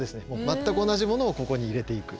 全く同じものをここに入れていく。